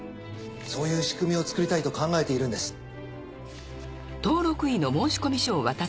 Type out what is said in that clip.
そういう仕組みを作りたいと考えているんです。